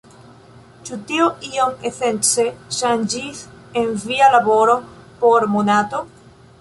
Ĉu tio ion esence ŝanĝis en via laboro por Monato?